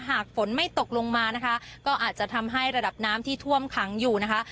หากฝนไม่ตกลงมานะคะก็อาจจะทำให้ระดับน้ำที่ท่วมขังอยู่นะคะ